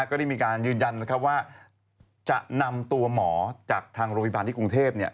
ก็ได้มีการยืนยันว่าจะนำตัวหมอจากทางโรงพยาบาลที่กรุงเทพ